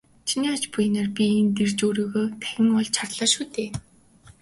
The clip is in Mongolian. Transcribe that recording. Чиний ач буянаар би энд ирж өөрийгөө дахин олж харлаа шүү дээ.